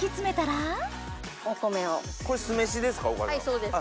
そうです。